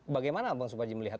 bagaimana bang suparji melihat